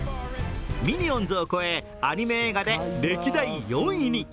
「ミニオンズ」を超え、アニメ映画で歴代４位に。